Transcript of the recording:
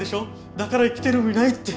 だから生きてる意味ないって。